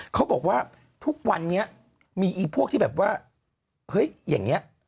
เขาบอกว่าทุกวันนี้มีพวกที่แบบว่าเฮ้ยอย่างนี้